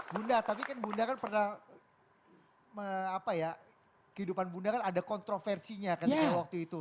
bunda tapi kan bunda kan pernah kehidupan bunda kan ada kontroversinya ketika waktu itu